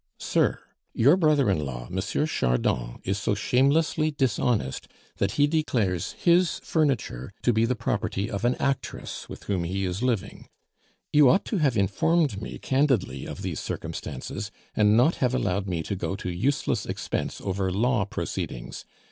_ "SIR, Your brother in law, M. Chardon, is so shamelessly dishonest, that he declares his furniture to be the property of an actress with whom he is living. You ought to have informed me candidly of these circumstances, and not have allowed me to go to useless expense over law proceedings.